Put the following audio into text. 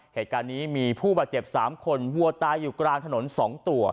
เหตุการณ์นี้มีผู้บาดเจ็บ๓คนวัวตายอยู่กลางถนน๒ตัว